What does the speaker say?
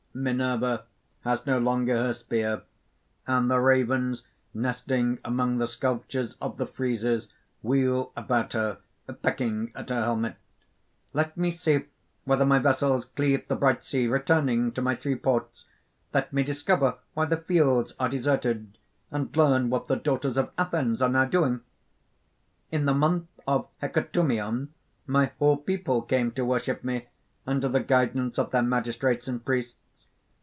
_) MINERVA (_has no longer her spear; and the ravens nesting among the sculptures of the friezes, wheel about her, peeking at her helmet._) "Let me see whether my vessels cleave the bright sea, returning to my three ports, let me discover why the fields are deserted, and learn what the daughters of Athens are now doing. "In the month of Hecatombeon my whole people came to worship me, under the guidance of their magistrates and priests.